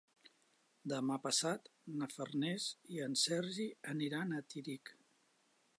Demà passat na Farners i en Sergi aniran a Tírig.